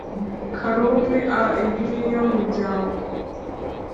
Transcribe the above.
Karumi a Iyo ni yo miryango